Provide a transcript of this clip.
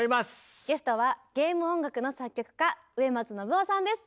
ゲストはゲーム音楽の作曲家植松伸夫さんです。